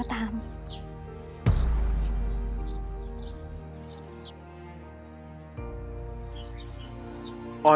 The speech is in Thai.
ออกไปเลย